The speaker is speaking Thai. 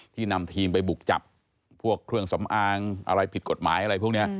นำทีมไปบุกจับพวกเครื่องสำอางอะไรผิดกฎหมายอะไรพวกนี้